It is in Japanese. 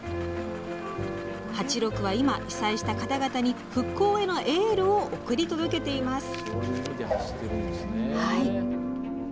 ハチロクは今、被災した方々に復興へのエールを送り届けています。